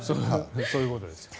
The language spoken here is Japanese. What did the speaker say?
そういうことです。